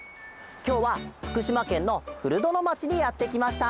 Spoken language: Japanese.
きょうはふくしまけんのふるどのまちにやってきました。